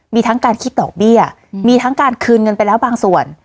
มีทั้งการคิดดอกเบี้ยมีทั้งการคืนเงินไปแล้วบางส่วน